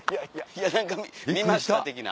いや何か見ました的な？